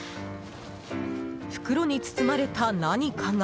袋に包まれた何かが。